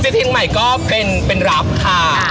ที่เทียงใหม่ก็เป็นแคนรับค่ะ